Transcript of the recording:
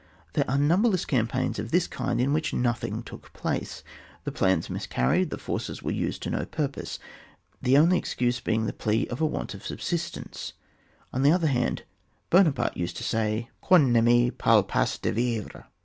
There are numberless campaigns of this kind in which nothing took place; the plans miscarried, the forces were used to no purpose, the only excuse being the plea of a want of subsistence ; on the other hand Buonaparte used to Bay Qu^on ne me parte pas dee vivrea !